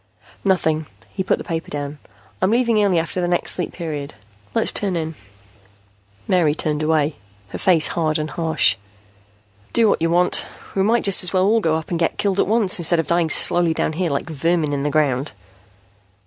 "Nothing." He put the paper down. "I'm leaving early after the next Sleep Period. Let's turn in." Mary turned away, her face hard and harsh. "Do what you want. We might just as well all go up and get killed at once, instead of dying slowly down here, like vermin in the ground."